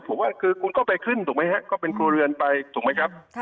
ผมว่าคือคุณก็ไปขึ้นถูกไหมฮะก็เป็นครัวเรือนไปถูกไหมครับ